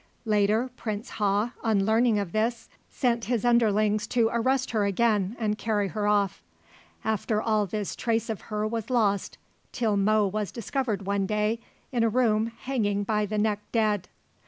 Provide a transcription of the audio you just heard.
Later Prince Ha, on learning of this, sent his underlings to arrest her again and carry her off. After this all trace of her was lost till Mo was discovered one day in a room hanging by the neck dead.